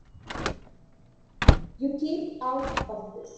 You keep out of this.